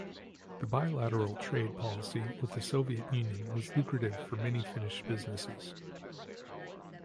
The bilateral trade policy with the Soviet Union was lucrative for many Finnish businesses.